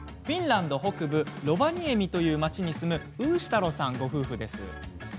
フィンランド北部ロヴァニエミという街に住むウーシタロさんご夫婦です。